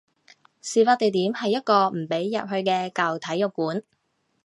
事發地點係一個唔俾入去嘅舊體育館